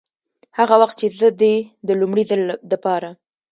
هغه وخت چې زه دې د لومړي ځل دپاره